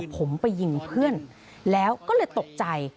ผมไปยิงเพื่อนแล้วก็เลยตกใจ